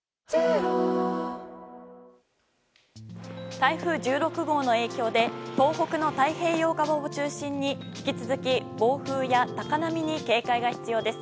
台風１６号の影響で東北の太平洋側を中心に引き続き暴風や高波に警戒が必要です。